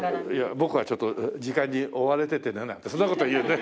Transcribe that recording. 僕はちょっと時間に追われててねなんてそんな事言えるね。